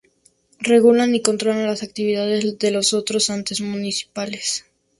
Regulan y controlan las actividades de los otros entes municipales.